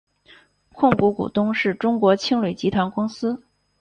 控股股东是中国青旅集团公司。